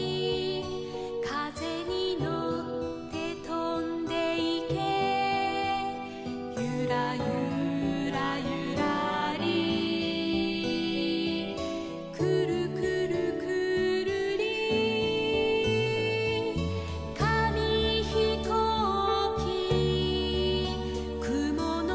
「かぜにのってとんでいけ」「ゆらゆらゆらり」「くるくるくるり」「かみひこうき」「くものうえまでとんでいけ」